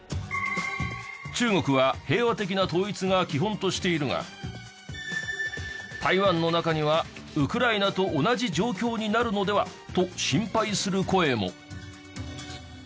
中国は平和的な統一が基本としているが台湾の中にはウクライナと同じ状況になるのでは？と心配する声も。